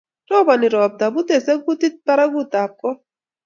Roboni ropta, butei sugutit barakutap kot